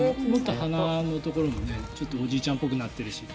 鼻のところもおじいちゃんっぽくなってるし。